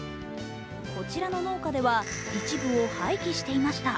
こちらの農家では、一部を廃棄していました。